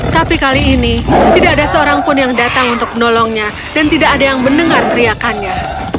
tapi kali ini tidak ada seorang pun yang datang untuk menolongnya dan tidak ada yang mendengar teriakannya